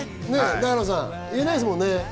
永野さん、言えないですもんね。